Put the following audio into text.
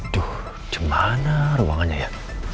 duh gimana ruangannya ya